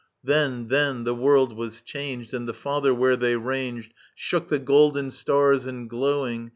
Then, then, the world was changed ; [Strophe 2, And the Father, where they ranged. Shook the golden stars and glowing.